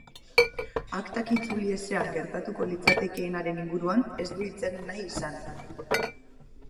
Aktak itzuli ezean gertatuko litzatekeenaren inguruan ez du hitz egin nahi izan.